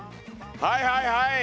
はいはいはい。